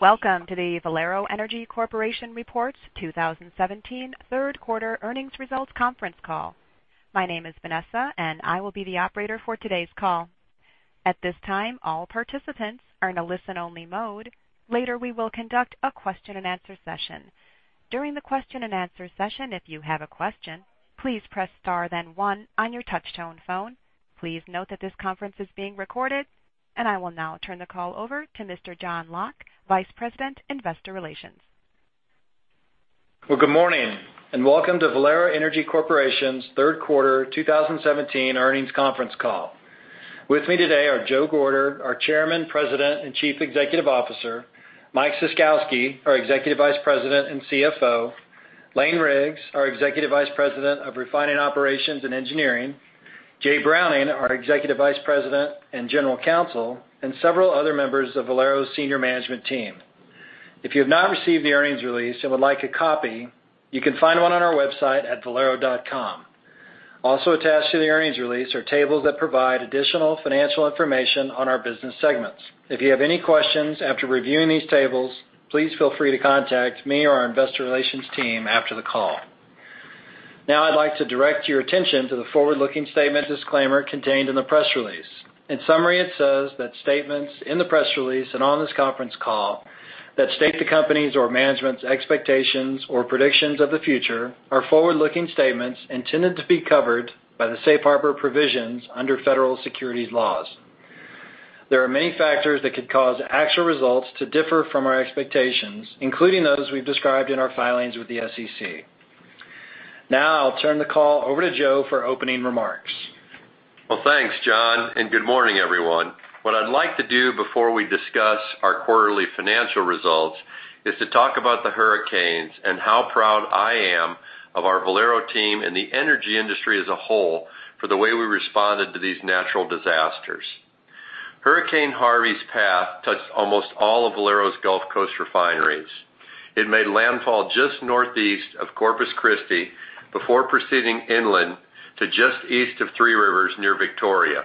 Welcome to the Valero Energy Corporation Reports 2017 third quarter earnings results conference call. My name is Vanessa, and I will be the operator for today's call. At this time, all participants are in a listen-only mode. Later, we will conduct a question-and-answer session. During the question-and-answer session, if you have a question, please press star then one on your touch-tone phone. Please note that this conference is being recorded, and I will now turn the call over to Mr. John Locke, Vice President, Investor Relations. Well, good morning, and welcome to Valero Energy Corporation's third quarter 2017 earnings conference call. With me today are Joe Gorder, our Chairman, President, and Chief Executive Officer; Mike Ciskowski, our Executive Vice President and CFO; Lane Riggs, our Executive Vice President of Refining Operations and Engineering; Jay Browning, our Executive Vice President and General Counsel; and several other members of Valero's senior management team. If you have not received the earnings release and would like a copy, you can find one on our website at valero.com. Also attached to the earnings release are tables that provide additional financial information on our business segments. If you have any questions after reviewing these tables, please feel free to contact me or our investor relations team after the call. Now I'd like to direct your attention to the forward-looking statement disclaimer contained in the press release. In summary, it says that statements in the press release and on this conference call that state the company's or management's expectations or predictions of the future are forward-looking statements intended to be covered by the Safe Harbor provisions under federal securities laws. There are many factors that could cause actual results to differ from our expectations, including those we've described in our filings with the SEC. Now I'll turn the call over to Joe for opening remarks. Well, thanks, John, and good morning, everyone. What I'd like to do before we discuss our quarterly financial results is to talk about the hurricanes and how proud I am of our Valero team and the energy industry as a whole for the way we responded to these natural disasters. Hurricane Harvey's path touched almost all of Valero's Gulf Coast refineries. It made landfall just northeast of Corpus Christi before proceeding inland to just east of Three Rivers near Victoria.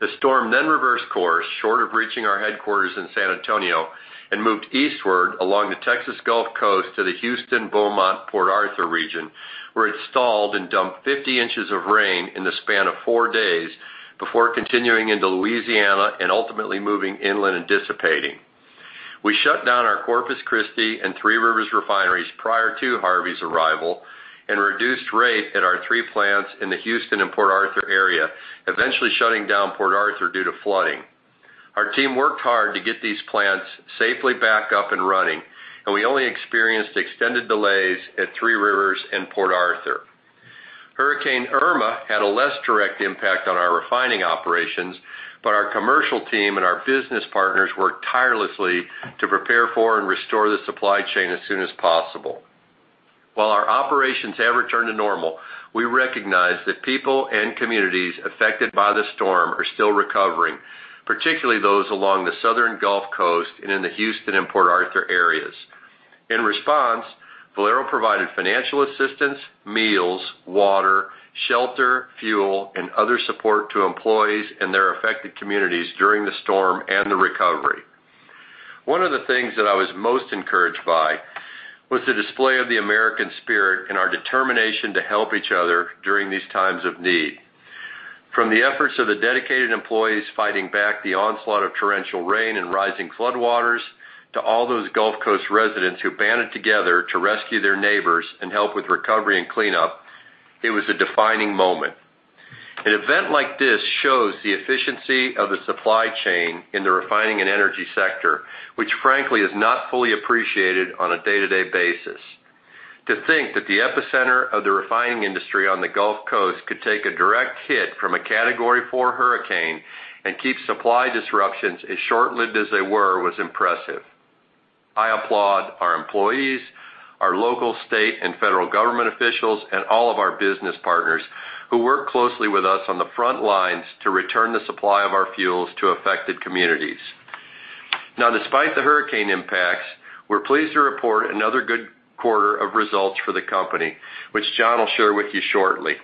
The storm then reversed course short of reaching our headquarters in San Antonio and moved eastward along the Texas Gulf Coast to the Houston-Beaumont-Port Arthur region, where it stalled and dumped 50 inches of rain in the span of four days before continuing into Louisiana and ultimately moving inland and dissipating. We shut down our Corpus Christi and Three Rivers refineries prior to Harvey's arrival and reduced rate at our three plants in the Houston and Port Arthur area, eventually shutting down Port Arthur due to flooding. Our team worked hard to get these plants safely back up and running, and we only experienced extended delays at Three Rivers and Port Arthur. Hurricane Irma had a less direct impact on our refining operations, but our commercial team and our business partners worked tirelessly to prepare for and restore the supply chain as soon as possible. While our operations have returned to normal, we recognize that people and communities affected by the storm are still recovering, particularly those along the southern Gulf Coast and in the Houston and Port Arthur areas. In response, Valero provided financial assistance, meals, water, shelter, fuel, and other support to employees and their affected communities during the storm and the recovery. One of the things that I was most encouraged by was the display of the American spirit and our determination to help each other during these times of need. From the efforts of the dedicated employees fighting back the onslaught of torrential rain and rising floodwaters to all those Gulf Coast residents who banded together to rescue their neighbors and help with recovery and cleanup, it was a defining moment. An event like this shows the efficiency of the supply chain in the refining and energy sector, which frankly is not fully appreciated on a day-to-day basis. To think that the epicenter of the refining industry on the Gulf Coast could take a direct hit from a category 4 hurricane and keep supply disruptions as short-lived as they were was impressive. I applaud our employees, our local, state, and federal government officials, and all of our business partners who work closely with us on the front lines to return the supply of our fuels to affected communities. Now, despite the hurricane impacts, we're pleased to report another good quarter of results for the company, which John will share with you shortly.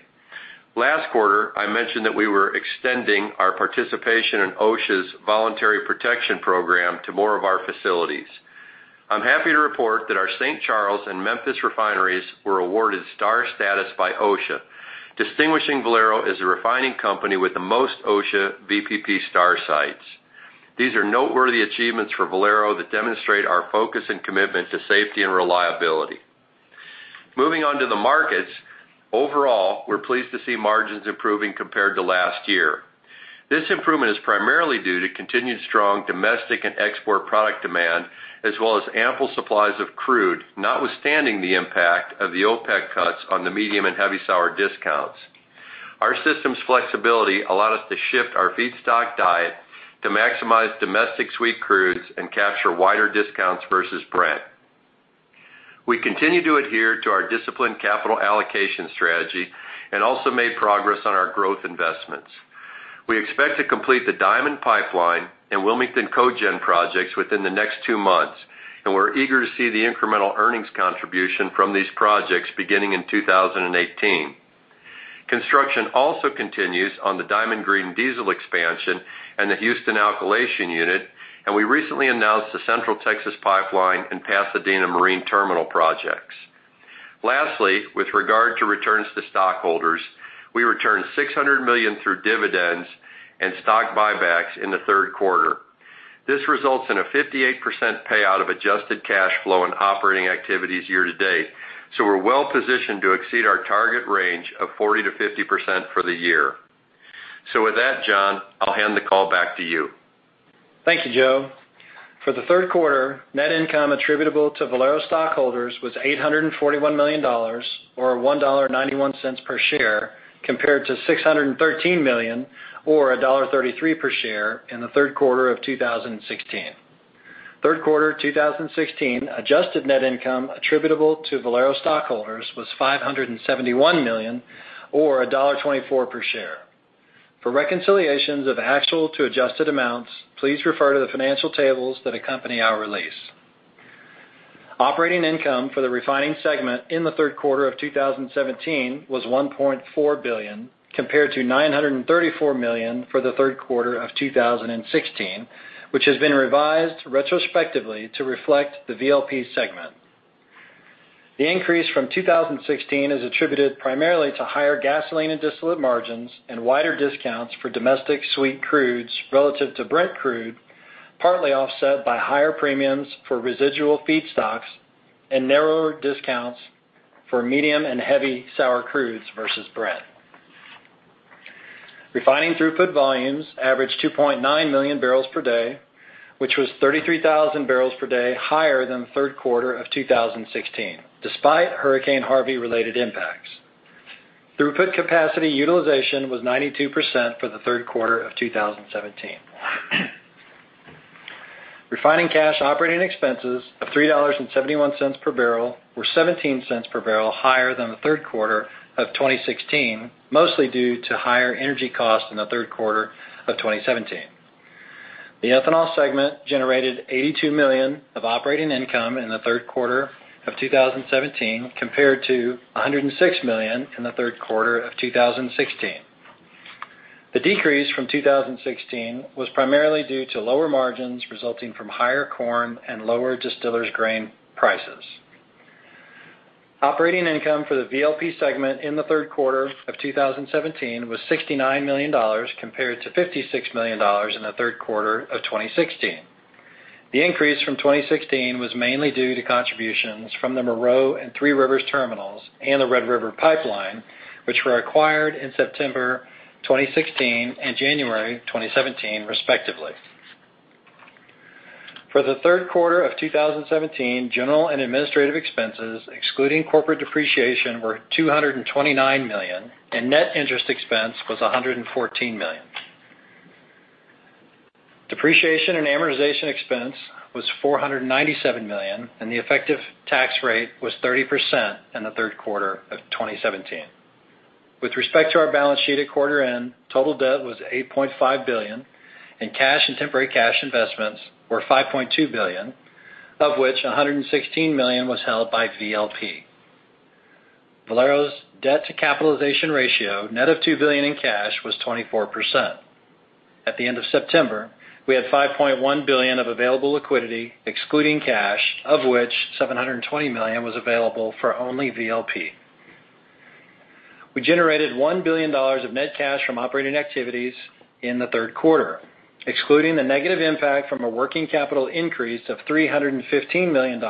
Last quarter, I mentioned that we were extending our participation in OSHA's Voluntary Protection Program to more of our facilities. I'm happy to report that our St. Charles and Memphis refineries were awarded Star Status by OSHA, distinguishing Valero as a refining company with the most OSHA VPP Star Sites. These are noteworthy achievements for Valero that demonstrate our focus and commitment to safety and reliability. Moving on to the markets. Overall, we're pleased to see margins improving compared to last year. This improvement is primarily due to continued strong domestic and export product demand as well as ample supplies of crude, notwithstanding the impact of the OPEC cuts on the medium and heavy sour discounts. Our system's flexibility allowed us to shift our feedstock diet to maximize domestic sweet crudes and capture wider discounts versus Brent. We continue to adhere to our disciplined capital allocation strategy and also made progress on our growth investments. We expect to complete the Diamond Pipeline and Wilmington Cogen projects within the next two months, and we're eager to see the incremental earnings contribution from these projects beginning in 2018. Construction also continues on the Diamond Green Diesel expansion and the Houston Alkylation Unit, and we recently announced the Central Texas Pipeline and Pasadena Marine Terminal projects. Lastly, with regard to returns to stockholders, we returned $600 million through dividends and stock buybacks in the third quarter. This results in a 58% payout of adjusted cash flow and operating activities year to date. We're well-positioned to exceed our target range of 40%-50% for the year. With that, John, I'll hand the call back to you. Thank you, Joe. For the third quarter, net income attributable to Valero stockholders was $841 million, or $1.91 per share, compared to $613 million or $1.33 per share in the third quarter of 2016. Third quarter 2016 adjusted net income attributable to Valero stockholders was $571 million or $1.24 per share. For reconciliations of actual to adjusted amounts, please refer to the financial tables that accompany our release. Operating income for the refining segment in the third quarter of 2017 was $1.4 billion, compared to $934 million for the third quarter of 2016, which has been revised retrospectively to reflect the VLP segment. The increase from 2016 is attributed primarily to higher gasoline and distillate margins and wider discounts for domestic sweet crudes relative to Brent Crude, partly offset by higher premiums for residual feedstocks and narrower discounts for medium and heavy sour crudes versus Brent Crude. Refining throughput volumes averaged 2.9 million barrels per day, which was 33,000 barrels per day higher than third quarter of 2016, despite Hurricane Harvey-related impacts. Throughput capacity utilization was 92% for the third quarter of 2017. Refining cash operating expenses of $3.71 per barrel were $0.17 per barrel higher than the third quarter of 2016, mostly due to higher energy costs in the third quarter of 2017. The ethanol segment generated $82 million of operating income in the third quarter of 2017, compared to $106 million in the third quarter of 2016. The decrease from 2016 was primarily due to lower margins resulting from higher corn and lower distillers grain prices. Operating income for the VLP segment in the third quarter of 2017 was $69 million compared to $56 million in the third quarter of 2016. The increase from 2016 was mainly due to contributions from the Moreau and Three Rivers terminals and the Red River Pipeline, which were acquired in September 2016 and January 2017, respectively. For the third quarter of 2017, general and administrative expenses excluding corporate depreciation were $229 million, and net interest expense was $114 million. Depreciation and amortization expense was $497 million, and the effective tax rate was 30% in the third quarter of 2017. With respect to our balance sheet at quarter end, total debt was $8.5 billion, and cash and temporary cash investments were $5.2 billion, of which $116 million was held by VLP. Valero's debt-to-capitalization ratio, net of $2 billion in cash, was 24%. At the end of September, we had $5.1 billion of available liquidity excluding cash, of which $720 million was available for only VLP. We generated $1 billion of net cash from operating activities in the third quarter. Excluding the negative impact from a working capital increase of $315 million,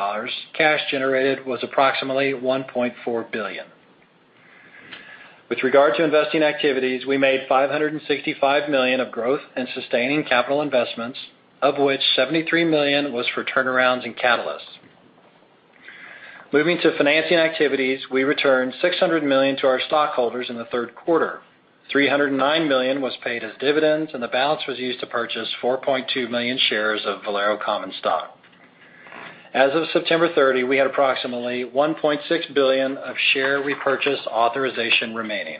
cash generated was approximately $1.4 billion. With regard to investing activities, we made $565 million of growth in sustaining capital investments, of which $73 million was for turnarounds and catalysts. Moving to financing activities, we returned $600 million to our stockholders in the third quarter. $309 million was paid as dividends, and the balance was used to purchase 4.2 million shares of Valero common stock. As of September 30, we had approximately $1.6 billion of share repurchase authorization remaining.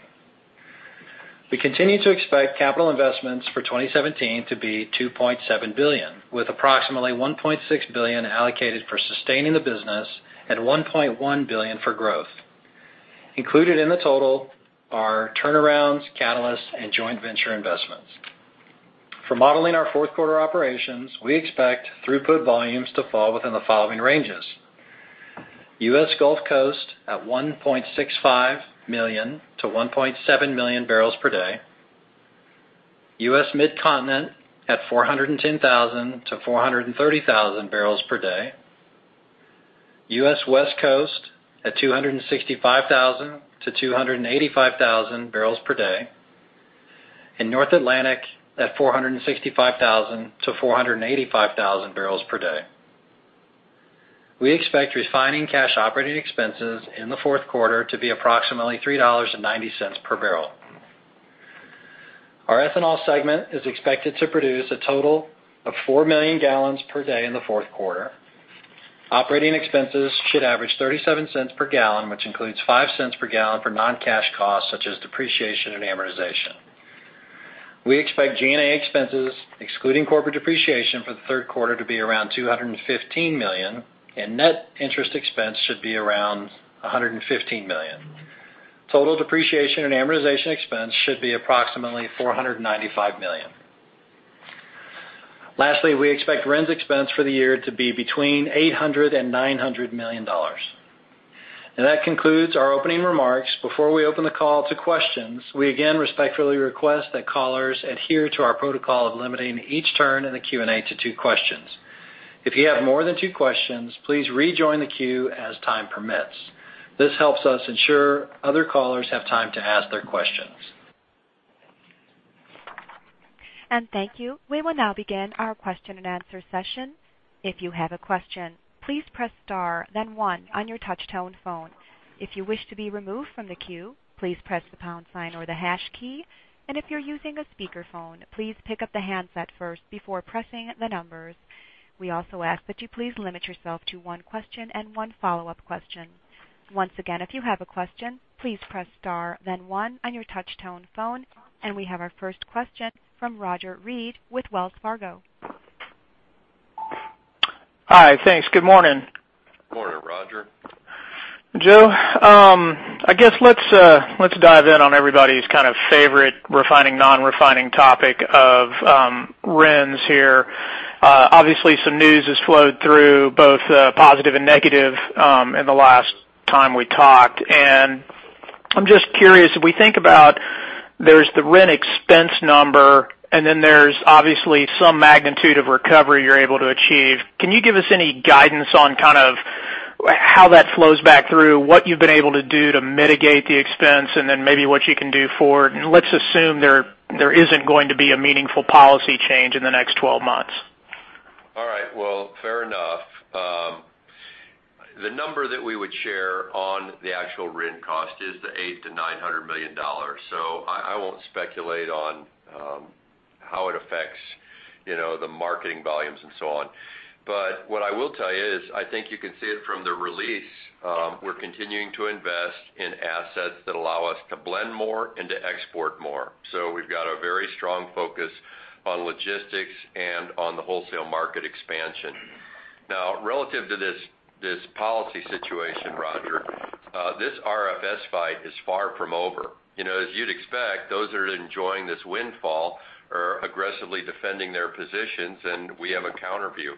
We continue to expect capital investments for 2017 to be $2.7 billion, with approximately $1.6 billion allocated for sustaining the business and $1.1 billion for growth. Included in the total are turnarounds, catalysts, and joint venture investments. For modeling our fourth quarter operations, we expect throughput volumes to fall within the following ranges: U.S. Gulf Coast at 1.65 million to 1.7 million barrels per day, U.S. Midcontinent at 410,000 to 430,000 barrels per day, U.S. West Coast at 265,000 to 285,000 barrels per day, and North Atlantic at 465,000 to 485,000 barrels per day. We expect refining cash operating expenses in the fourth quarter to be approximately $3.90 per barrel. Our ethanol segment is expected to produce a total of 4 million gallons per day in the fourth quarter. Operating expenses should average $0.37 per gallon, which includes $0.05 per gallon for non-cash costs such as depreciation and amortization. We expect G&A expenses, excluding corporate depreciation, for the third quarter to be around $215 million, and net interest expense should be around $115 million. Total depreciation and amortization expense should be approximately $495 million. Lastly, we expect RINs expense for the year to be between $800 million-$900 million. That concludes our opening remarks. Before we open the call to questions, we again respectfully request that callers adhere to our protocol of limiting each turn in the Q&A to two questions. If you have more than two questions, please rejoin the queue as time permits. This helps us ensure other callers have time to ask their questions. Thank you. We will now begin our question-and-answer session. If you have a question, please press star then one on your touch-tone phone. If you wish to be removed from the queue, please press the pound sign or the hash key. If you're using a speakerphone, please pick up the handset first before pressing the numbers. We also ask that you please limit yourself to one question and one follow-up question. Once again, if you have a question, please press star then one on your touch-tone phone. We have our first question from Roger Read with Wells Fargo. Hi. Thanks. Good morning. Morning, Roger. Joe, I guess let's dive in on everybody's kind of favorite refining, non-refining topic of RINs here. Obviously, some news has flowed through both positive and negative in the last time we talked. I'm just curious, if we think about there's the RIN expense number, and then there's obviously some magnitude of recovery you're able to achieve. Can you give us any guidance on how that flows back through what you've been able to do to mitigate the expense and then maybe what you can do forward? Let's assume there isn't going to be a meaningful policy change in the next 12 months. All right. Well, fair enough. The number that we would share on the actual RIN cost is the $800 million-$900 million. I won't speculate on how it affects the marketing volumes and so on. What I will tell you is, I think you can see it from the release. We're continuing to invest in assets that allow us to blend more and to export more. We've got a very strong focus on logistics and on the wholesale market expansion. Now, relative to this policy situation, Roger, this RFS fight is far from over. As you'd expect, those that are enjoying this windfall are aggressively defending their positions, and we have a counterview.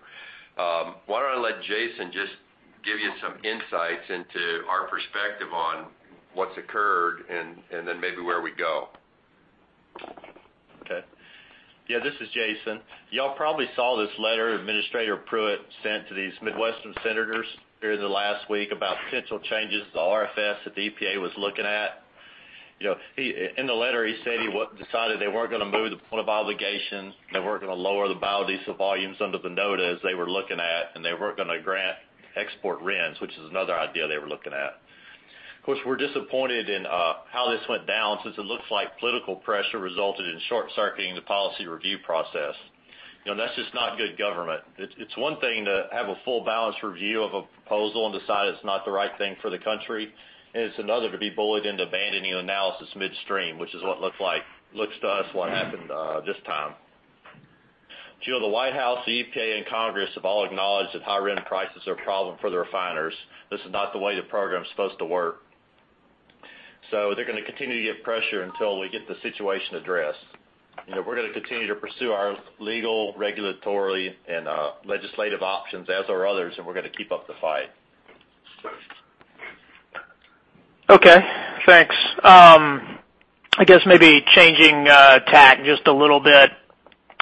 Why don't I let Jason just give you some insights into our perspective on what's occurred and then maybe where we go. Okay. Yeah, this is Jason. You all probably saw this letter Administrator Pruitt sent to these Midwestern senators during the last week about potential changes to the RFS that the EPA was looking at. In the letter, he said he decided they weren't going to move the point of obligation. They weren't going to lower the biodiesel volumes under the notice they were looking at, and they weren't going to grant export RINs, which is another idea they were looking at. Of course, we're disappointed in how this went down since it looks like political pressure resulted in short-circuiting the policy review process. That's just not good government. It's one thing to have a full balanced review of a proposal and decide it's not the right thing for the country, and it's another to be bullied into abandoning analysis midstream, which is what looks to us what happened this time. Joe, the White House, the EPA, and Congress have all acknowledged that high RIN prices are a problem for the refiners. This is not the way the program's supposed to work. They're going to continue to get pressure until we get the situation addressed. We're going to continue to pursue our legal, regulatory, and legislative options, as are others, and we're going to keep up the fight. Okay. Thanks. I guess maybe changing tack just a little bit.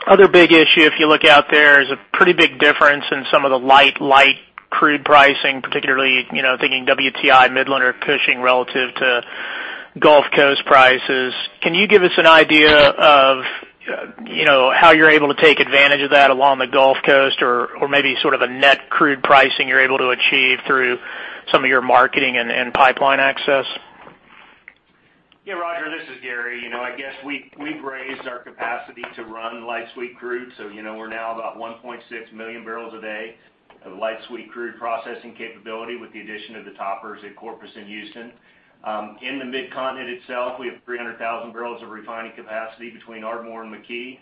Other big issue, if you look out there, is a pretty big difference in some of the light crude pricing, particularly thinking WTI, Midland, or Cushing relative to Gulf Coast prices. Can you give us an idea of how you're able to take advantage of that along the Gulf Coast or maybe sort of a net crude pricing you're able to achieve through some of your marketing and pipeline access? Yeah, Roger, this is Gary. I guess we've raised our capacity to run light sweet crude. We're now about 1.6 million barrels a day of light sweet crude processing capability with the addition of the toppers at Corpus in Houston. In the Midcontinent itself, we have 300,000 barrels of refining capacity between Ardmore and McKee.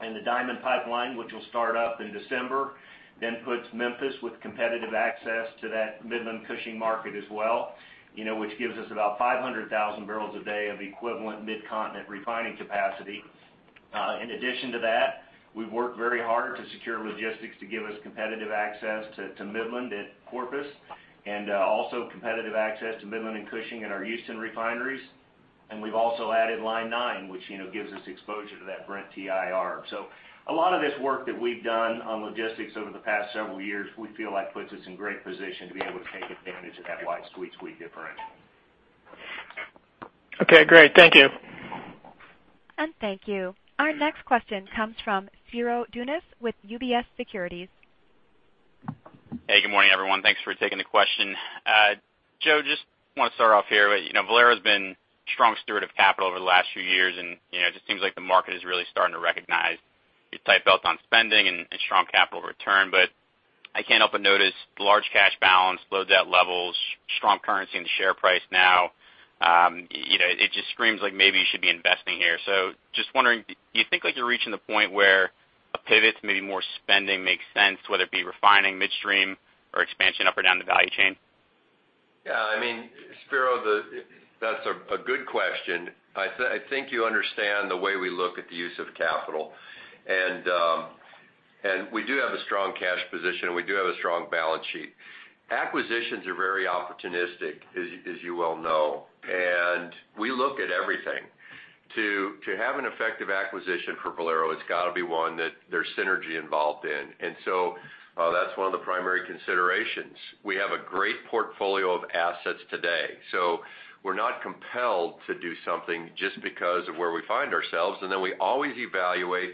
The Diamond Pipeline, which will start up in December, then puts Memphis with competitive access to that Midland Cushing market as well which gives us about 500,000 barrels a day of equivalent Midcontinent refining capacity. In addition to that, we've worked very hard to secure logistics to give us competitive access to Midland at Corpus and also competitive access to Midland and Cushing in our Houston refineries. We've also added Line 9, which gives us exposure to that Brent TIR. A lot of this work that we've done on logistics over the past several years, we feel like puts us in great position to be able to take advantage of that light sweet crude differential. Okay, great. Thank you. Thank you. Our next question comes from Spiro Dounis with UBS Securities. Hey, good morning, everyone. Thanks for taking the question. Joe, just want to start off here with Valero has been a strong steward of capital over the last few years, and it just seems like the market is really starting to You tight belt on spending and strong capital return, I can't help but notice the large cash balance, low debt levels, strong currency in the share price now. It just screams like maybe you should be investing here. Just wondering, do you think you're reaching the point where a pivot to maybe more spending makes sense, whether it be refining midstream or expansion up or down the value chain? Yeah. Spiro, that's a good question. I think you understand the way we look at the use of capital. We do have a strong cash position. We do have a strong balance sheet. Acquisitions are very opportunistic, as you well know, and we look at everything. To have an effective acquisition for Valero, it's got to be one that there's synergy involved in. That's one of the primary considerations. We have a great portfolio of assets today, so we're not compelled to do something just because of where we find ourselves. Then we always evaluate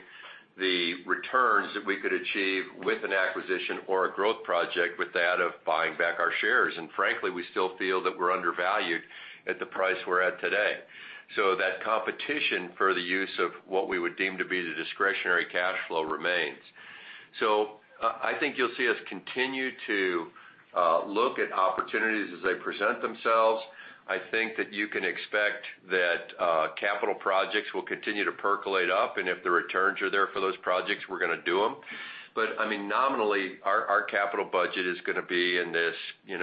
the returns that we could achieve with an acquisition or a growth project with that of buying back our shares. Frankly, we still feel that we're undervalued at the price we're at today. That competition for the use of what we would deem to be the discretionary cash flow remains. I think you'll see us continue to look at opportunities as they present themselves. I think that you can expect that capital projects will continue to percolate up, if the returns are there for those projects, we're going to do them. Nominally, our capital budget is going to be in this $2.7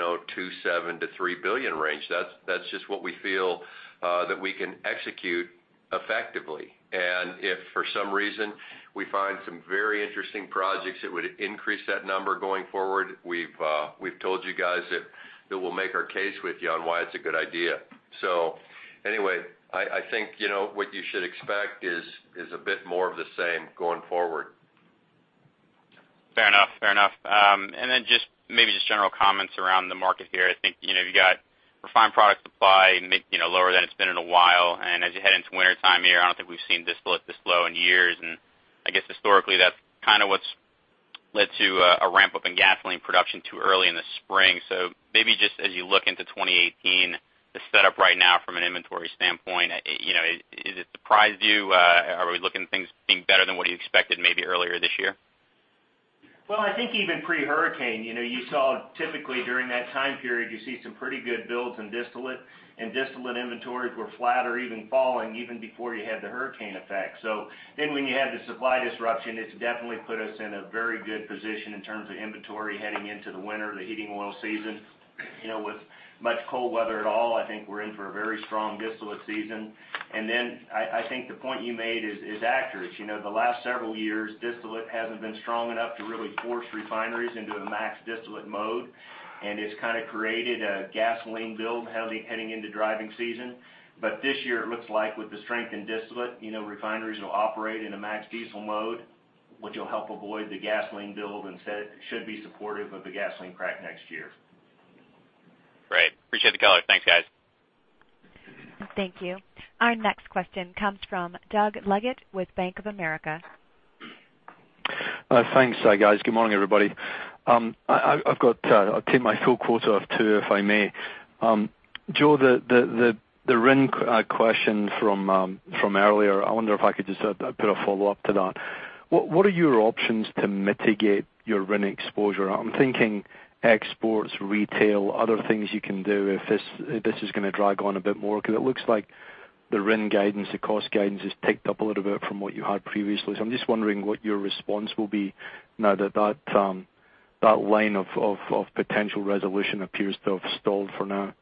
billion-$3 billion range. That's just what we feel that we can execute effectively. If for some reason we find some very interesting projects that would increase that number going forward, we've told you guys that we'll make our case with you on why it's a good idea. Anyway, I think what you should expect is a bit more of the same going forward. Fair enough. Then just maybe just general comments around the market here. I think you've got refined product supply lower than it's been in a while. As you head into wintertime here, I don't think we've seen distillate this low in years. I guess historically, that's kind of what's led to a ramp-up in gasoline production too early in the spring. Maybe just as you look into 2018, the setup right now from an inventory standpoint, is it surprise you? Are we looking at things being better than what you expected maybe earlier this year? Well, I think even pre-Hurricane, you saw typically during that time period, you see some pretty good builds in distillate inventories were flat or even falling even before you had the Hurricane effect. When you had the supply disruption, it's definitely put us in a very good position in terms of inventory heading into the winter, the heating oil season. With much cold weather at all, I think we're in for a very strong distillate season. Then I think the point you made is accurate. The last several years, distillate hasn't been strong enough to really force refineries into a max distillate mode, it's kind of created a gasoline build heading into driving season. This year, it looks like with the strength in distillate, refineries will operate in a max diesel mode, which will help avoid the gasoline build and should be supportive of the gasoline crack next year. Great. Appreciate the color. Thanks, guys. Thank you. Our next question comes from Doug Leggate with Bank of America. Thanks, guys. Good morning, everybody. I'll take my full quota of two, if I may. Joe, the RIN question from earlier, I wonder if I could just put a follow-up to that. What are your options to mitigate your RIN exposure? I'm thinking exports, retail, other things you can do if this is going to drag on a bit more, because it looks like the RIN guidance, the cost guidance has ticked up a little bit from what you had previously. I'm just wondering what your response will be now that that line of potential resolution appears to have stalled for now.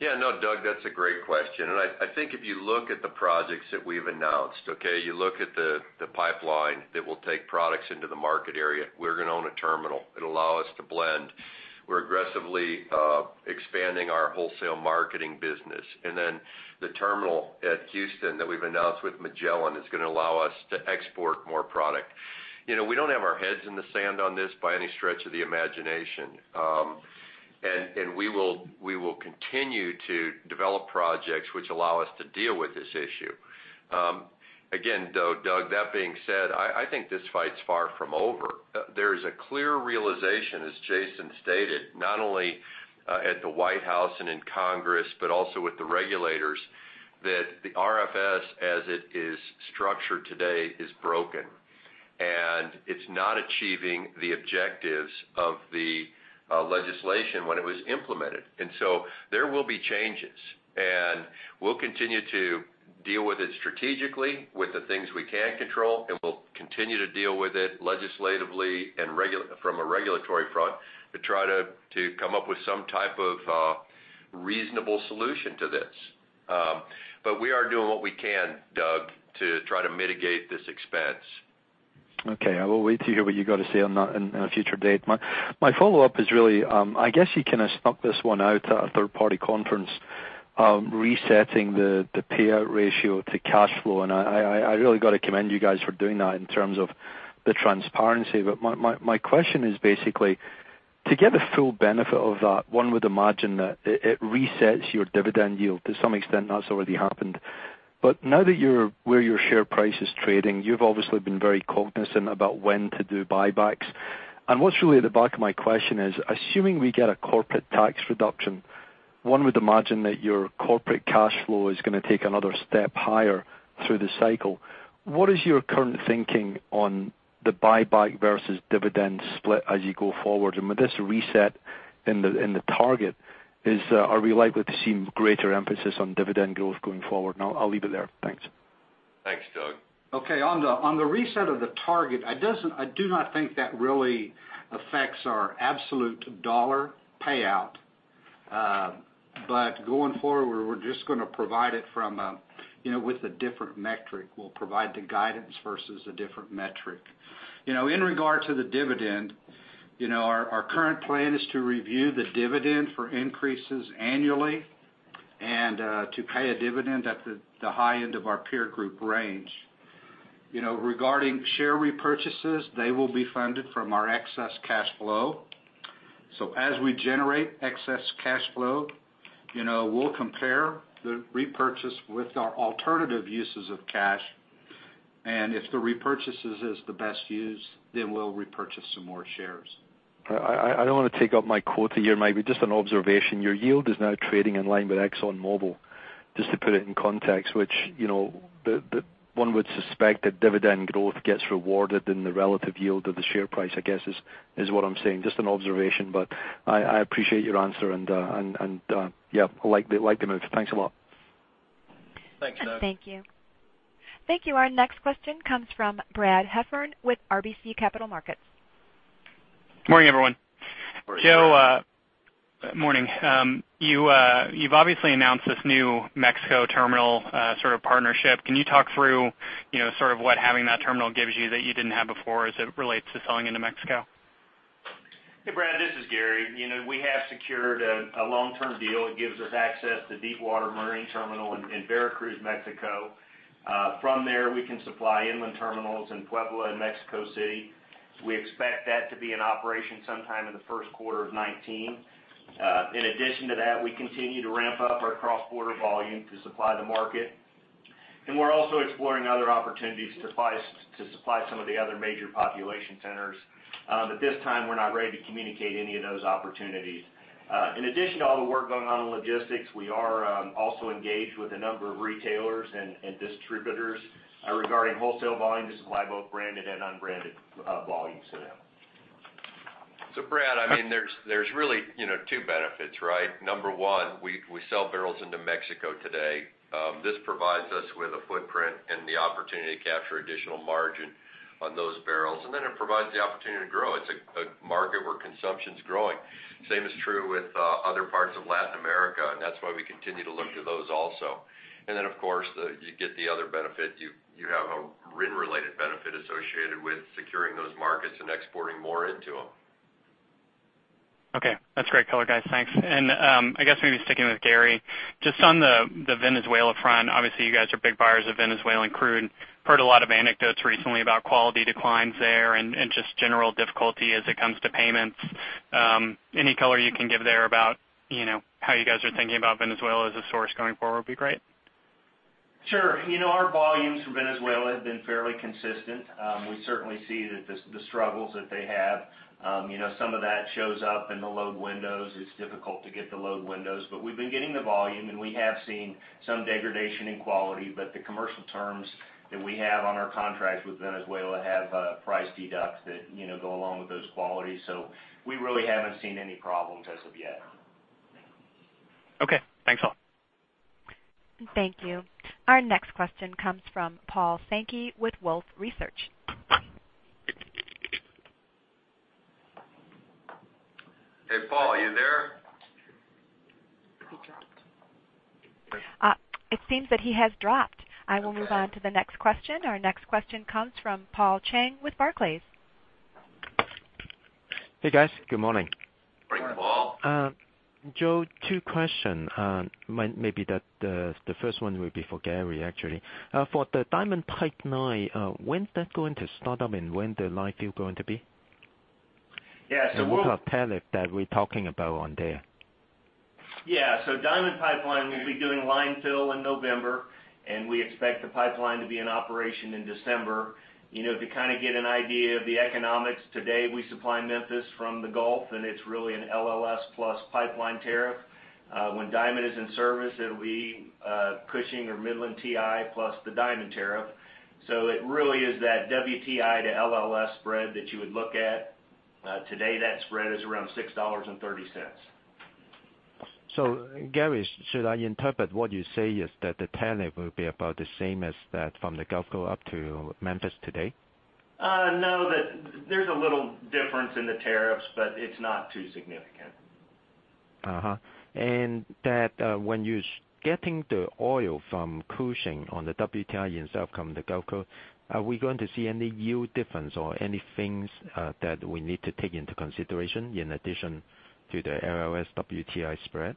No, Doug, that's a great question. I think if you look at the projects that we've announced, okay? You look at the pipeline that will take products into the market area. We're going to own a terminal. It'll allow us to blend. We're aggressively expanding our wholesale marketing business. The terminal at Houston that we've announced with Magellan is going to allow us to export more product. We don't have our heads in the sand on this by any stretch of the imagination. We will continue to develop projects which allow us to deal with this issue. Again, though, Doug, that being said, I think this fight's far from over. There is a clear realization, as Jason stated, not only at the White House and in Congress, but also with the regulators, that the RFS, as it is structured today, is broken. It's not achieving the objectives of the legislation when it was implemented. There will be changes, and we'll continue to deal with it strategically with the things we can control, and we'll continue to deal with it legislatively and from a regulatory front to try to come up with some type of reasonable solution to this. We are doing what we can, Doug, to try to mitigate this expense. I will wait to hear what you got to say on that in a future date. My follow-up is really I guess you kind of stuck this one out at a third-party conference resetting the payout ratio to cash flow, and I really got to commend you guys for doing that in terms of the transparency. My question is basically, to get the full benefit of that, one would imagine that it resets your dividend yield. To some extent, that's already happened. Now that you're where your share price is trading, you've obviously been very cognizant about when to do buybacks. What's really at the back of my question is, assuming we get a corporate tax reduction, one would imagine that your corporate cash flow is going to take another step higher through the cycle. What is your current thinking on the buyback versus dividend split as you go forward? With this reset in the target, are we likely to see greater emphasis on dividend growth going forward? I'll leave it there. Thanks. Thanks, Doug. Okay. On the reset of the target, I do not think that really affects our absolute dollar payout. Going forward, we're just going to provide it with a different metric. We'll provide the guidance versus a different metric. In regard to the dividend, our current plan is to review the dividend for increases annually and to pay a dividend at the high end of our peer group range. Regarding share repurchases, they will be funded from our excess cash flow. As we generate excess cash flow, we'll compare the repurchase with our alternative uses of cash, and if the repurchase is the best use, then we'll repurchase some more shares. I don't want to take up my quota here, maybe just an observation. Your yield is now trading in line with ExxonMobil, just to put it in context, which one would suspect that dividend growth gets rewarded in the relative yield of the share price, I guess, is what I'm saying. Just an observation. I appreciate your answer and, yeah, I like the move. Thanks a lot. Thanks, Doug. Thank you. Thank you. Our next question comes from Brad Heffern with RBC Capital Markets. Morning, everyone. Morning. Joe, morning. You've obviously announced this new Mexico terminal sort of partnership. Can you talk through sort of what having that terminal gives you that you didn't have before as it relates to selling into Mexico? Hey, Brad, this is Gary. We have secured a long-term deal. It gives us access to deep water marine terminal in Veracruz, Mexico. From there, we can supply inland terminals in Puebla and Mexico City. We expect that to be in operation sometime in the first quarter of 2019. In addition to that, we continue to ramp up our cross-border volume to supply the market. We're also exploring other opportunities to supply some of the other major population centers. At this time, we're not ready to communicate any of those opportunities. In addition to all the work going on in logistics, we are also engaged with a number of retailers and distributors regarding wholesale volume to supply both branded and unbranded volumes to them. Brad, there's really two benefits, right? Number one, we sell barrels into Mexico today. This provides us with a footprint and the opportunity to capture additional margin on those barrels. It provides the opportunity to grow. It's a market where consumption's growing. Same is true with other parts of Latin America, that's why we continue to look to those also. Of course, you get the other benefit. You have a RIN-related benefit associated with securing those markets and exporting more into them. Okay. That's great color, guys. Thanks. I guess maybe sticking with Gary, just on the Venezuela front, obviously you guys are big buyers of Venezuelan crude. Heard a lot of anecdotes recently about quality declines there and just general difficulty as it comes to payments. Any color you can give there about how you guys are thinking about Venezuela as a source going forward would be great. Sure. Our volumes from Venezuela have been fairly consistent. We certainly see the struggles that they have. Some of that shows up in the load windows. It's difficult to get the load windows, we've been getting the volume. We have seen some degradation in quality. The commercial terms that we have on our contracts with Venezuela have price deducts that go along with those qualities. We really haven't seen any problems as of yet. Okay. Thanks a lot. Thank you. Our next question comes from Paul Sankey with Wolfe Research. Hey, Paul, are you there? He dropped. It seems that he has dropped. I will move on to the next question. Our next question comes from Paul Cheng with Barclays. Hey, guys. Good morning. Morning, Paul. Joe, two question. Maybe the first one will be for Gary, actually. For the Diamond Pipeline, when's that going to start up, and when the line fill going to be? Yeah. What kind of tariff that we're talking about on there? Yeah. Diamond Pipeline will be doing line fill in November, and we expect the pipeline to be in operation in December. To kind of get an idea of the economics, today, we supply Memphis from the Gulf, and it's really an LLS plus pipeline tariff. When Diamond is in service, it'll be Cushing or Midland WTI plus the Diamond tariff. It really is that WTI to LLS spread that you would look at. Today, that spread is around $6.30. Gary, should I interpret what you say is that the tariff will be about the same as that from the Gulf Coast up to Memphis today? No. There's a little difference in the tariffs, but it's not too significant. When you're getting the oil from Cushing on the WTI instead of from the Gulf Coast, are we going to see any yield difference or any things that we need to take into consideration in addition to the LLS WTI spread?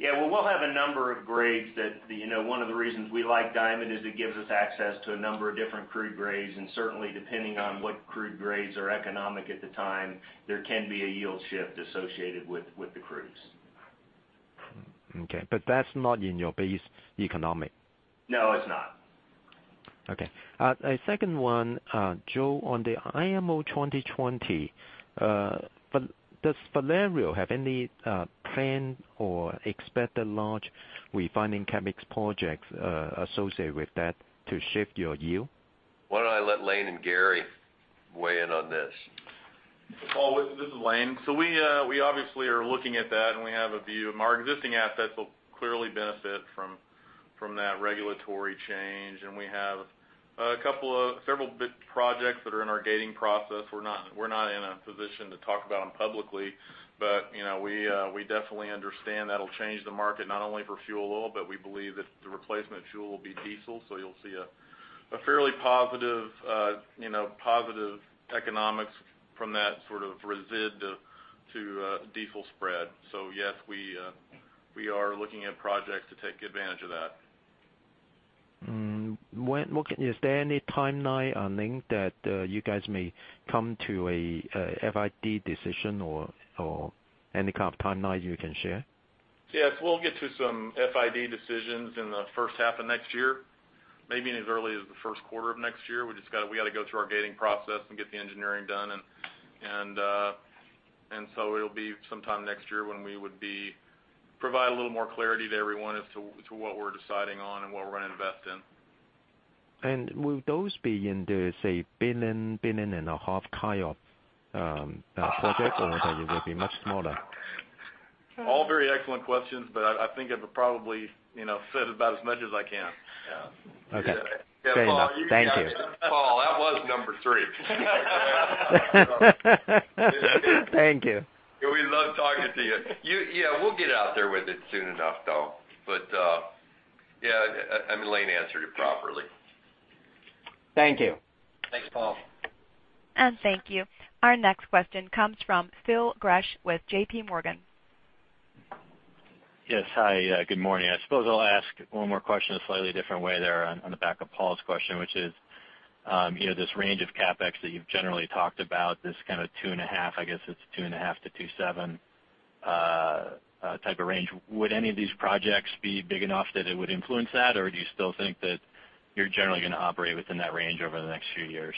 Yeah. Well, we'll have a number of grades. One of the reasons we like Diamond is it gives us access to a number of different crude grades, and certainly, depending on what crude grades are economic at the time, there can be a yield shift associated with the crudes. Okay, that's not in your base economic? No, it's not. Okay. A second one, Joe, on the IMO 2020, does Valero have any plan or expect to launch refining chemical projects associated with that to shift your yield? Why don't I let Lane and Gary weigh in on this? Paul, this is Lane. We obviously are looking at that, and we have a view. Our existing assets will clearly benefit from that regulatory change, and we have several big projects that are in our gating process. We're not in a position to talk about them publicly, but we definitely understand that'll change the market not only for fuel oil, but we believe that the replacement fuel will be diesel. You'll see a fairly positive economics from that sort of resid to diesel spread. Yes, we are looking at projects to take advantage of that. Is there any timeline on when you guys may come to a FID decision or any kind of timeline you can share? Yes, we'll get to some FID decisions in the first half of next year, maybe as early as the first quarter of next year. We just got to go through our gating process and get the engineering done. It'll be sometime next year when we would provide a little more clarity to everyone as to what we're deciding on and what we're going to invest in. Will those be in the, say, billion and a half kind of project, or they will be much smaller? All very excellent questions, I think I've probably said about as much as I can. Yeah. Okay. Great. Thank you. Paul, that was number 3. Thank you. We love talking to you. We'll get out there with it soon enough, though. Yeah, Lane answered it properly. Thank you. Thanks, Paul. Thank you. Our next question comes from Phil Gresh with JPMorgan. Yes. Hi, good morning. I suppose I'll ask one more question a slightly different way there on the back of Paul's question, which is, this range of CapEx that you've generally talked about, this kind of $2.5, I guess it's $2.5-$2.7 type of range. Would any of these projects be big enough that it would influence that, or do you still think that you're generally going to operate within that range over the next few years?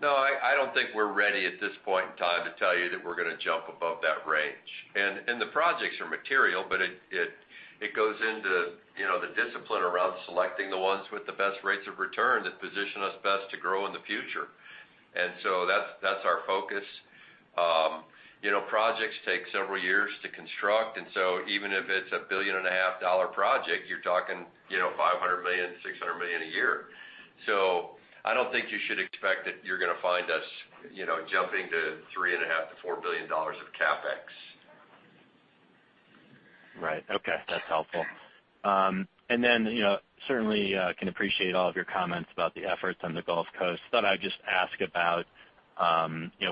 No, I don't think we're ready at this point in time to tell you that we're going to jump above that range. The projects are material, but it goes into the discipline around selecting the ones with the best rates of return that position us best to grow in the future. That's our focus. Projects take several years to construct, even if it's a billion-and-a-half-dollar project, you're talking $500 million, $600 million a year. I don't think you should expect that you're going to find us jumping to $3.5 billion-$4 billion of CapEx. Right. Okay. That's helpful. Certainly can appreciate all of your comments about the efforts on the Gulf Coast. Thought I'd just ask about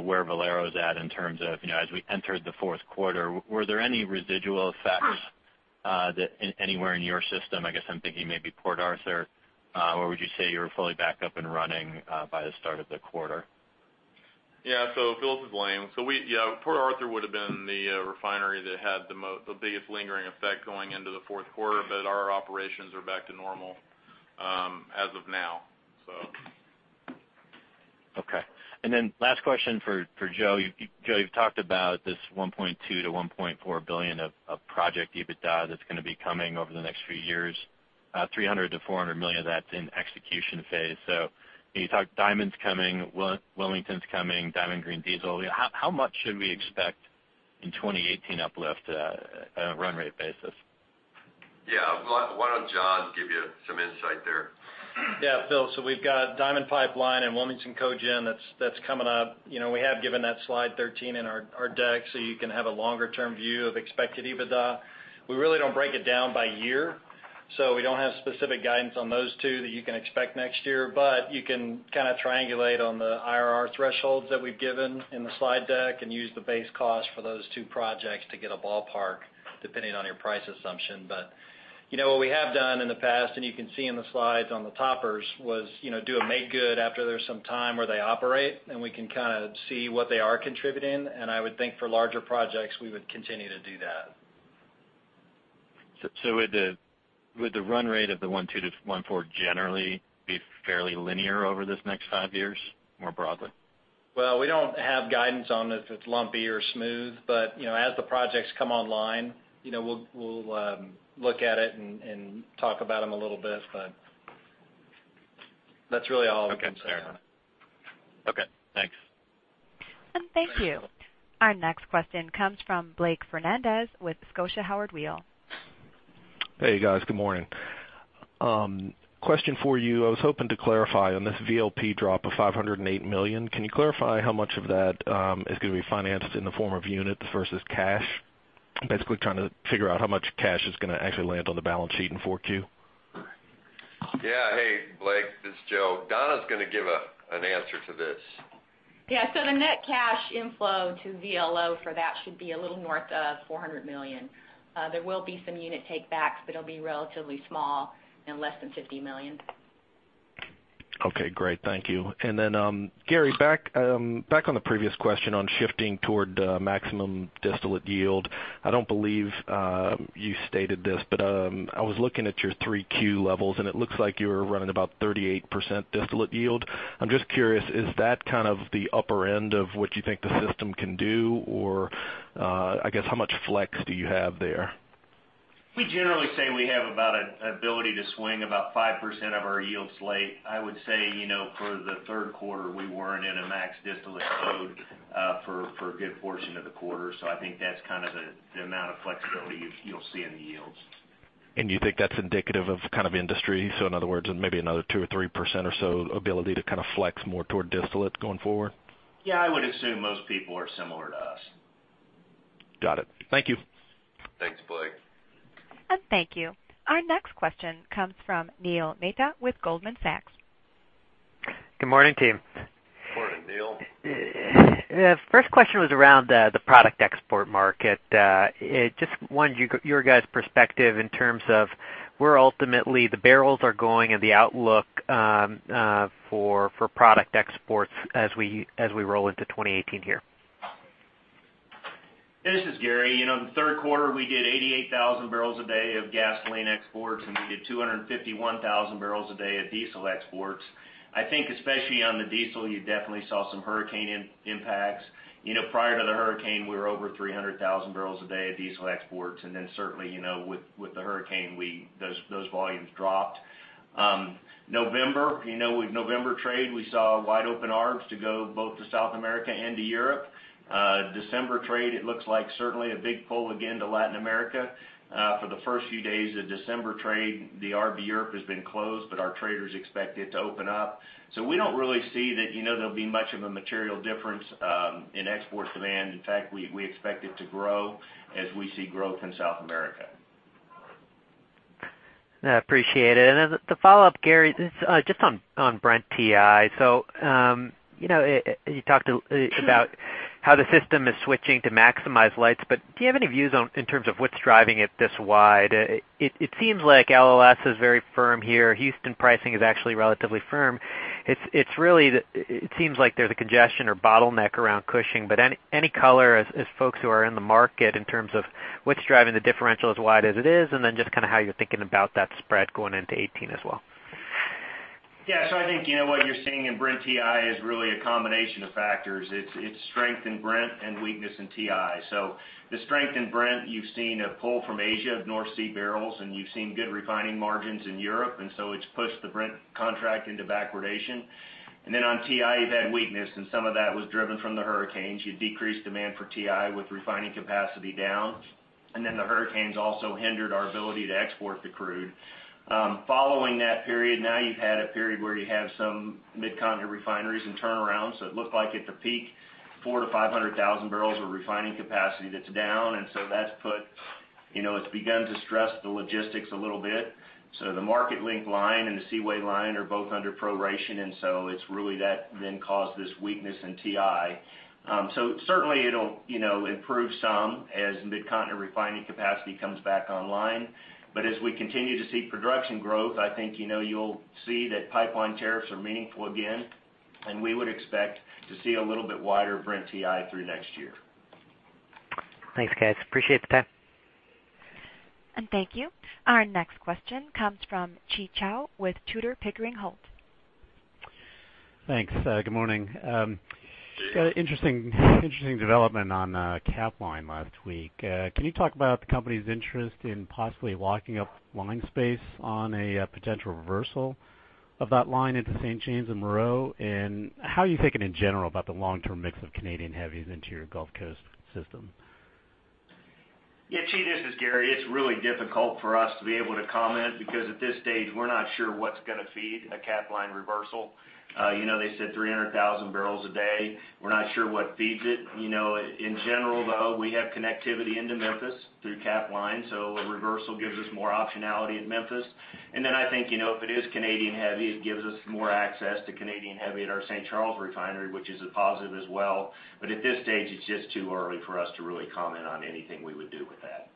where Valero's at in terms of, as we entered the fourth quarter, were there any residual effects anywhere in your system? I guess I'm thinking maybe Port Arthur. Or would you say you were fully back up and running by the start of the quarter? Yeah. Phil Gresh, this is Lane Riggs. Port Arthur would have been the refinery that had the biggest lingering effect going into the fourth quarter, but our operations are back to normal as of now, so Okay. Last question for Joe Gorder. Joe Gorder, you've talked about this $1.2 billion-$1.4 billion of project EBITDA that's going to be coming over the next few years, $300 million-$400 million of that's in execution phase. You talk Diamond's coming, Wilmington's coming, Diamond Green Diesel. How much should we expect in 2018 uplift on a run rate basis? Yeah. Why don't John Locke give you some insight there? Yeah, Phil Gresh, we've got Diamond Pipeline and Wilmington Cogen that's coming up. We have given that slide 13 in our deck, you can have a longer-term view of expected EBITDA. We really don't break it down by year, we don't have specific guidance on those two that you can expect next year. You can kind of triangulate on the IRR thresholds that we've given in the slide deck and use the base cost for those two projects to get a ballpark, depending on your price assumption. What we have done in the past, and you can see in the slides on the toppers, was do a make good after there's some time where they operate, and we can see what they are contributing. I would think for larger projects, we would continue to do that. Would the run rate of the $1.2-$1.4 generally be fairly linear over this next five years, more broadly? Well, we don't have guidance on if it's lumpy or smooth, but as the projects come online, we'll look at it and talk about them a little bit, but that's really all I can say. Okay. Fair enough. Okay, thanks. Thank you. Our next question comes from Blake Fernandez with Scotia Howard Weil. Hey, guys. Good morning. Question for you. I was hoping to clarify on this VLP drop of $508 million. Can you clarify how much of that is going to be financed in the form of units versus cash? I'm basically trying to figure out how much cash is going to actually land on the balance sheet in 4Q. Yeah. Hey, Blake. This is Joe. Donna's going to give an answer to this. Yeah. The net cash inflow to VLO for that should be a little north of $400 million. There will be some unit take backs, it'll be relatively small and less than $50 million. Okay, great. Thank you. Gary, back on the previous question on shifting toward maximum distillate yield. I don't believe you stated this, I was looking at your 3Q levels, and it looks like you were running about 38% distillate yield. I'm just curious, is that kind of the upper end of what you think the system can do? I guess, how much flex do you have there? We generally say we have about an ability to swing about 5% of our yield slate. I would say, for the third quarter, we weren't in a max distillate mode for a good portion of the quarter. I think that's kind of the amount of flexibility you'll see in the yields. You think that's indicative of kind of industry? In other words, maybe another 2% or 3% or so ability to kind of flex more toward distillate going forward? Yeah, I would assume most people are similar to us. Got it. Thank you. Thanks, Blake. Thank you. Our next question comes from Neil Mehta with Goldman Sachs. Good morning, team. Morning, Neil. First question was around the product export market. Just wanted your guys' perspective in terms of where ultimately the barrels are going and the outlook for product exports as we roll into 2018 here. This is Gary. In the third quarter, we did 88,000 barrels a day of gasoline exports, and we did 251,000 barrels a day of diesel exports. I think especially on the diesel, you definitely saw some hurricane impacts. Prior to the hurricane, we were over 300,000 barrels a day of diesel exports. Certainly, with the hurricane, those volumes dropped. November trade, we saw wide open arms to go both to South America and to Europe. December trade, it looks like certainly a big pull again to Latin America. For the first few days of December trade, the RBOB Europe has been closed. Our traders expect it to open up. We don't really see that there'll be much of a material difference in export demand. In fact, we expect it to grow as we see growth in South America. I appreciate it. As the follow-up, Gary, this is just on Brent WTI. You talked about how the system is switching to maximize lights. Do you have any views in terms of what's driving it this wide? It seems like LLS is very firm here. Houston pricing is actually relatively firm. It seems like there's a congestion or bottleneck around Cushing. Any color as folks who are in the market in terms of what's driving the differential as wide as it is, and then just kind of how you're thinking about that spread going into 2018 as well. I think, what you're seeing in Brent WTI is really a combination of factors. It's strength in Brent and weakness in WTI. The strength in Brent, you've seen a pull from Asia of North Sea barrels. You've seen good refining margins in Europe. It's pushed the Brent contract into backwardation. On WTI, you've had weakness. Some of that was driven from the hurricanes. You had decreased demand for WTI with refining capacity down. The hurricanes also hindered our ability to export the crude. Following that period, now you've had a period where you have some Mid-Continent refineries and turnarounds. It looked like at the peak, 400,000-500,000 barrels of refining capacity that's down. It's begun to stress the logistics a little bit. The Marketlink line and the Seaway line are both under proration, it's really that caused this weakness in TI. Certainly it'll improve some as Mid-Continent refining capacity comes back online. As we continue to see production growth, I think you'll see that pipeline tariffs are meaningful again, and we would expect to see a little bit wider Brent TI through next year. Thanks, guys. Appreciate the time. Thank you. Our next question comes from Chi Chow with Tudor, Pickering Holt. Thanks. Good morning. Interesting development on Capline last week. Can you talk about the company's interest in possibly locking up line space on a potential reversal of that line into St. James and Moreau? How are you thinking in general about the long-term mix of Canadian heavies into your Gulf Coast system? Chi, this is Gary. It's really difficult for us to be able to comment because at this stage, we're not sure what's going to feed a Capline reversal. They said 300,000 barrels a day. We're not sure what feeds it. In general, though, we have connectivity into Memphis through Capline, so a reversal gives us more optionality at Memphis. I think, if it is Canadian heavy, it gives us more access to Canadian heavy at our St. Charles refinery, which is a positive as well. At this stage, it's just too early for us to really comment on anything we would do with that.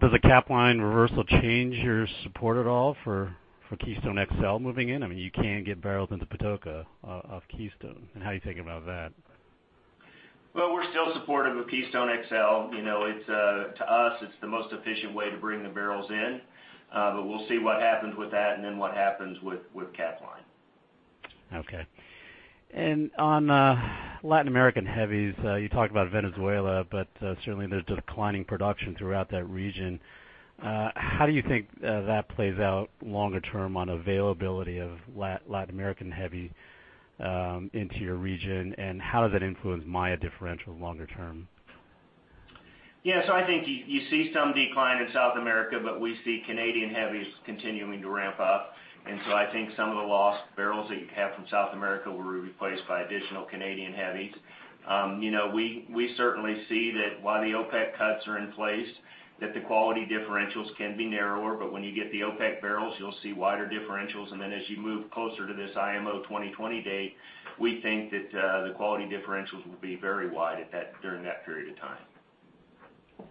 Does a Capline reversal change your support at all for Keystone XL moving in? I mean, you can get barrels into Patoka off Keystone. How are you thinking about that? We're still supportive of Keystone XL. To us, it's the most efficient way to bring the barrels in. We'll see what happens with that and then what happens with Capline. Okay. On Latin American heavies, you talked about Venezuela, certainly there's declining production throughout that region. How do you think that plays out longer term on availability of Latin American heavy into your region, and how does that influence Maya differential longer term? I think you see some decline in South America, we see Canadian heavies continuing to ramp up. I think some of the lost barrels that you have from South America will be replaced by additional Canadian heavies. We certainly see that while the OPEC cuts are in place, that the quality differentials can be narrower. When you get the OPEC barrels, you will see wider differentials. As you move closer to this IMO 2020 date, we think that the quality differentials will be very wide during that period of time.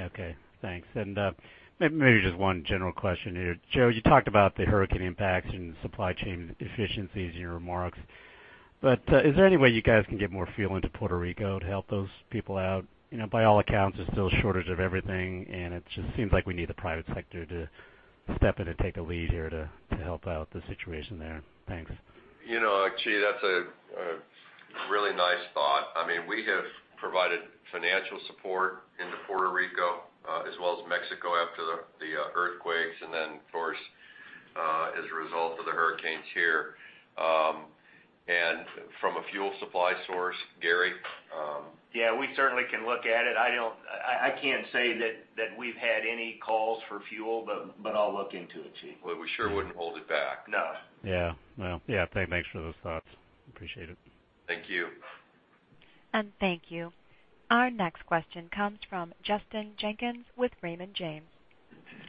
Okay, thanks. Maybe just one general question here. Joe, you talked about the hurricane impacts and supply chain efficiencies in your remarks, is there any way you guys can get more fuel into Puerto Rico to help those people out? By all accounts, there is still a shortage of everything, it just seems like we need the private sector to step in and take a lead here to help out the situation there. Thanks. Chi, that's a really nice thought. We have provided financial support into Puerto Rico as well as Mexico after the earthquakes, of course as a result of the hurricanes here. From a fuel supply source, Gary? We certainly can look at it. I can't say that we've had any calls for fuel, I'll look into it, Chi. Well, we sure wouldn't hold it back. No. Yeah. Well, thanks for those thoughts. Appreciate it. Thank you. Thank you. Our next question comes from Justin Jenkins with Raymond James.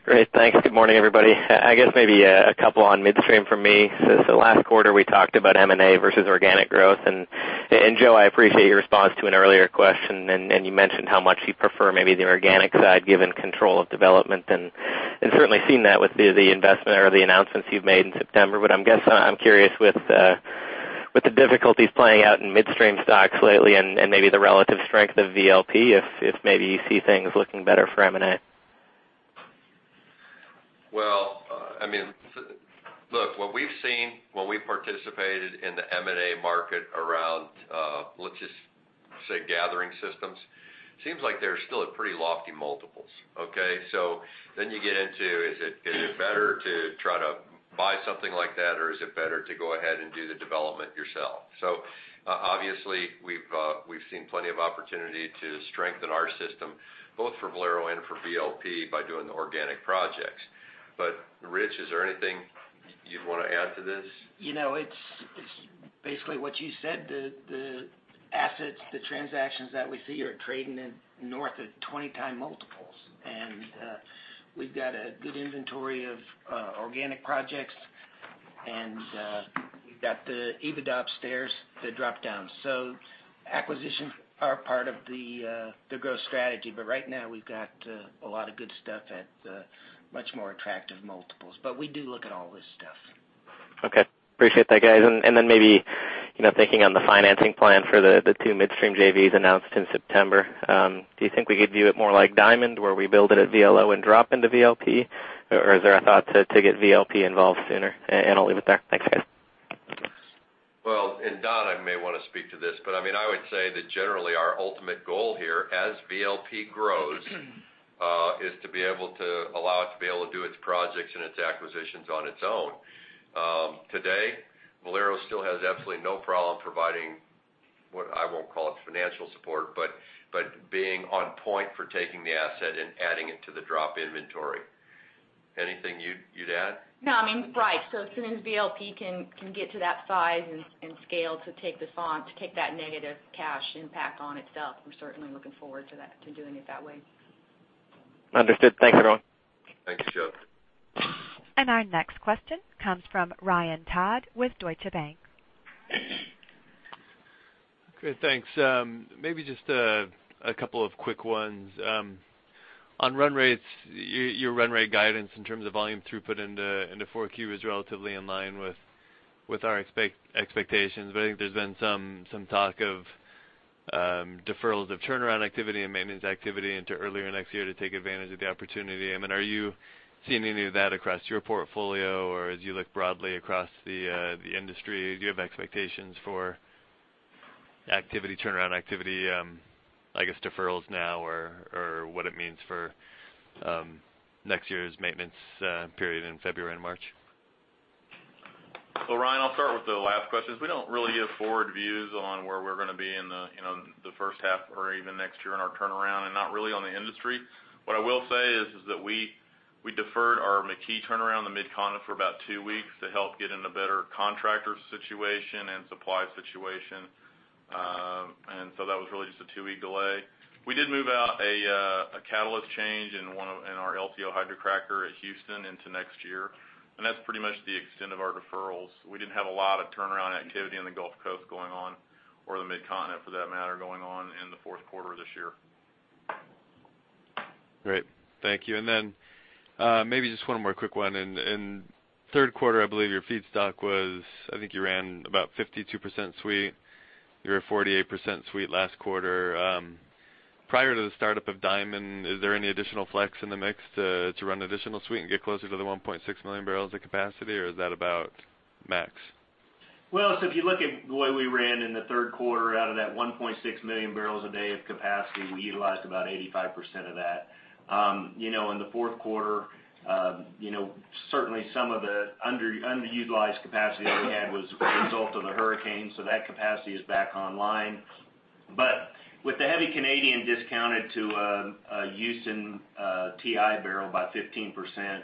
Great. Thanks. Good morning, everybody. I guess maybe a couple on midstream from me. Last quarter, we talked about M&A versus organic growth. Joe, I appreciate your response to an earlier question, and you mentioned how much you prefer maybe the organic side given control of development, and certainly seen that with the investment or the announcements you've made in September. I'm curious with the difficulties playing out in midstream stocks lately and maybe the relative strength of VLP, if maybe you see things looking better for M&A. Well, look, what we've seen when we participated in the M&A market around, let's just say, gathering systems, seems like they're still at pretty lofty multiples. Okay? You get into, is it better to try to buy something like that, or is it better to go ahead and do the development yourself? Obviously, we've seen plenty of opportunity to strengthen our system, both for Valero and for VLP, by doing the organic projects. Rich, is there anything you'd want to add to this? It's basically what you said. The assets, the transactions that we see are trading in north of 20x multiples. We've got a good inventory of organic projects, and we've got the EBITDA upstairs to drop down. Acquisitions are part of the growth strategy. Right now, we've got a lot of good stuff at much more attractive multiples. We do look at all this stuff. Okay. Appreciate that guys. Then maybe, thinking on the financing plan for the two midstream JVs announced in September, do you think we could view it more like Diamond, where we build it at VLO and drop into VLP? Is there a thought to get VLP involved sooner? I'll leave it there. Thanks, guys. Well, Donna, I may want to speak to this, but I would say that generally our ultimate goal here, as VLP grows, is to be able to allow it to be able to do its projects and its acquisitions on its own. Today, Valero still has absolutely no problem providing what I won't call it financial support, but being on point for taking the asset and adding it to the drop inventory. Anything you'd add? No, right. As soon as VLP can get to that size and scale to take this on, to take that negative cash impact on itself, we're certainly looking forward to doing it that way. Understood. Thanks, everyone. Thanks, Joe. Our next question comes from Ryan Todd with Deutsche Bank. Great. Thanks. Maybe just a couple of quick ones. On run rates, your run rate guidance in terms of volume throughput into 4Q is relatively in line with our expectations. I think there's been some talk of deferrals of turnaround activity and maintenance activity into earlier next year to take advantage of the opportunity. Are you seeing any of that across your portfolio, or as you look broadly across the industry, do you have expectations for turnaround activity, I guess, deferrals now or what it means for next year's maintenance period in February and March? Ryan, I'll start with the last question. We don't really give forward views on where we're going to be in the first half or even next year in our turnaround and not really on the industry. What I will say is that we deferred our McKee turnaround in the Mid-Continent for about two weeks to help get in a better contractor situation and supply situation. That was really just a two-week delay. We did move out a catalyst change in our LTO hydrocracker at Houston into next year, that's pretty much the extent of our deferrals. We didn't have a lot of turnaround activity in the Gulf Coast going on, or the Mid-Continent for that matter, going on in the fourth quarter of this year. Great. Thank you. Maybe just one more quick one. In third quarter, I think you ran about 52% sweet. You were 48% sweet last quarter. Prior to the startup of Diamond, is there any additional flex in the mix to run additional sweet and get closer to the 1.6 million barrels of capacity, or is that about max? If you look at the way we ran in the third quarter, out of that 1.6 million barrels a day of capacity, we utilized about 85% of that. In the fourth quarter, certainly some of the underutilized capacity that we had was a result of the hurricane, that capacity is back online. With the heavy Canadian discounted to a Houston WTI barrel by 15%,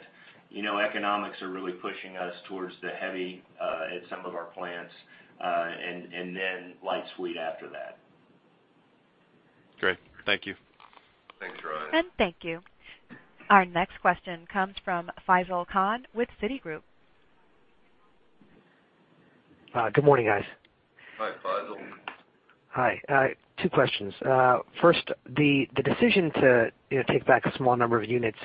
economics are really pushing us towards the heavy at some of our plants, and then light sweet after that. Great. Thank you. Thanks, Ryan. Thank you. Our next question comes from Faisal Khan with Citigroup. Good morning, guys. Hi, Faisal. Hi. Two questions. First, the decision to take back a small number of units,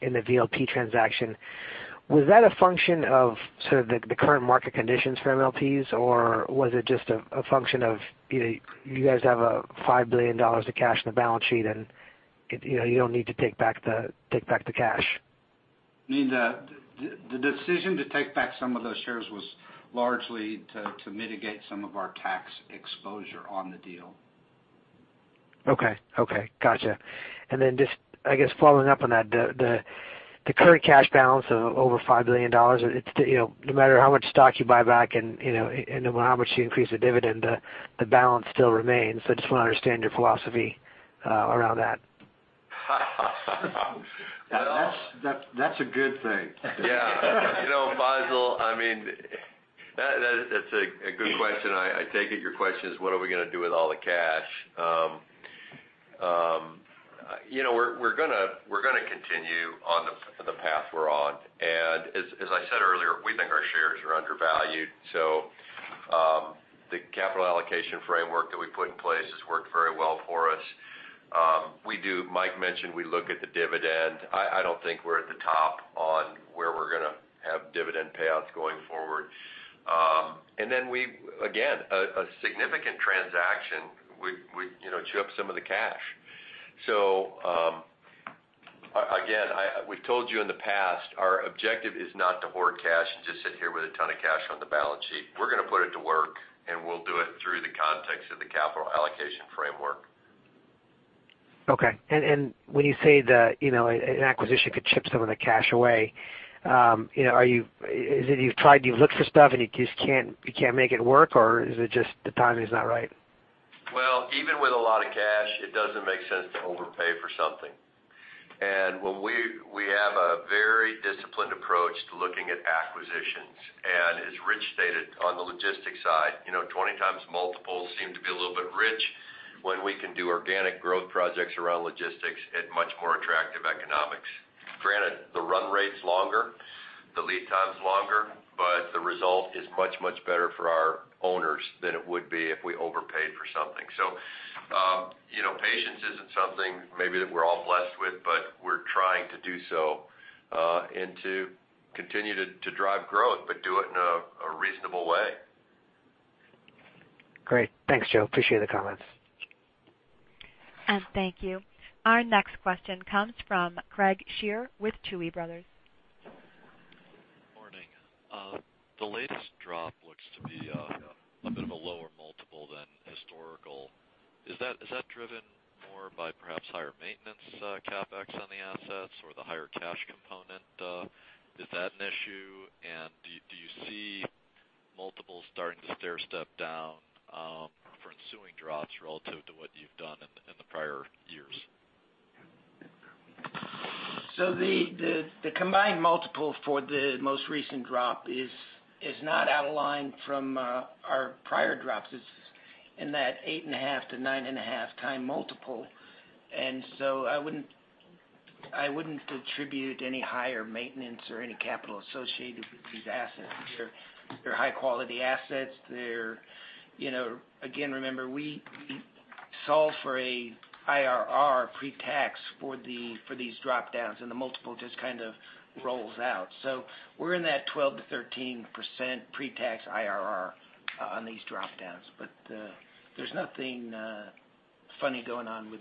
in the VLP transaction, was that a function of sort of the current market conditions for MLPs, or was it just a function of you guys have a $5 billion of cash in the balance sheet and you don't need to take back the cash? The decision to take back some of those shares was largely to mitigate some of our tax exposure on the deal. Okay. Got you. Just, I guess following up on that, the current cash balance of over $5 billion, no matter how much stock you buy back and no matter how much you increase the dividend, the balance still remains. I just want to understand your philosophy around that. Well- That's a good thing. Yeah. Faisal, that's a good question. I take it your question is what are we going to do with all the cash. We're going to continue on the path we're on, and as I said earlier, we think our shares are undervalued. Mike mentioned we look at the dividend. I don't think we're at the top on where we're going to have dividend payouts going forward. Again, a significant transaction would chip some of the cash. Again, we've told you in the past, our objective is not to hoard cash and just sit here with a ton of cash on the balance sheet. We're going to put it to work, and we'll do it through the context of the capital allocation framework. Okay. When you say that an acquisition could chip some of the cash away, is it you've tried, you've looked for stuff, and you just can't make it work, or is it just the timing is not right? Well, even with a lot of cash, it doesn't make sense to overpay for something. We have a very disciplined approach to looking at acquisitions. As Rich stated, on the logistics side, 20 times multiples seem to be a little bit rich when we can do organic growth projects around logistics at much more attractive economics. Granted, the run rate's longer, the lead time's longer, but the result is much, much better for our owners than it would be if we overpaid for something. Patience isn't something maybe that we're all blessed with, but we're trying to do so, and to continue to drive growth, but do it in a reasonable way. Great. Thanks, Joe. Appreciate the comments. Thank you. Our next question comes from Craig Shere with Tuohy Brothers. Morning. The latest drop looks to be a bit of a lower multiple than historical. Is that driven more by perhaps higher maintenance CapEx on the assets or the higher cash component? Is that an issue? Do you see multiples starting to stairstep down, for ensuing drops relative to what you've done in the prior years? The combined multiple for the most recent drop is not out of line from our prior drops. It's in that 8.5x-9.5x multiple. I wouldn't attribute it any higher maintenance or any capital associated with these assets. They're high-quality assets. Again, remember, we solve for a pre-tax IRR for these drop-downs, the multiple just kind of rolls out. We're in that 12%-13% pre-tax IRR on these drop-downs. There's nothing funny going on with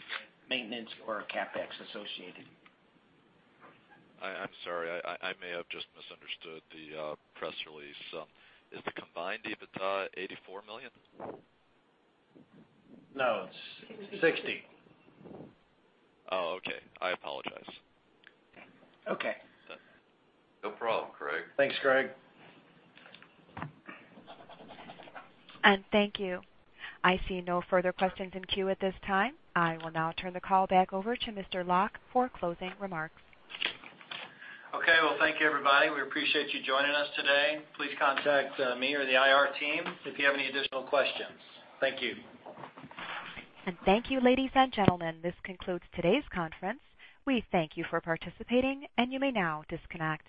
maintenance or CapEx associated. I'm sorry. I may have just misunderstood the press release. Is the combined EBITDA $84 million? No, it's $60. Oh, okay. I apologize. Okay. No problem, Craig. Thanks, Craig. Thank you. I see no further questions in queue at this time. I will now turn the call back over to Mr. Locke for closing remarks. Okay. Well, thank you, everybody. We appreciate you joining us today. Please contact me or the IR team if you have any additional questions. Thank you. Thank you, ladies and gentlemen. This concludes today's conference. We thank you for participating, and you may now disconnect.